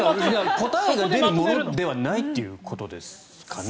答えが出るものではないということですかね。